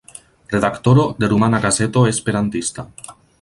Redaktoro de Rumana Gazeto Esperantista.